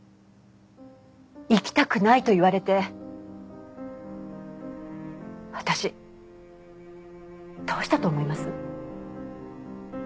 行きたくないと言われて私どうしたと思います？